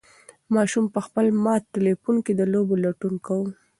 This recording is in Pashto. ماشوم په خپل مات تلیفون کې د لوبو لټون کاوه.